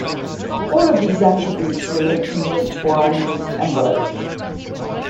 All of these attributes relate to mint or unused envelopes.